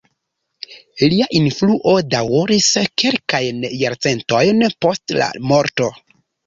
Lia influo daŭris kelkajn jarcentojn post la morto.